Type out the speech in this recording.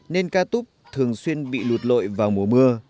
nên cát úc thường xuyên bị lụt lội vào mùa mưa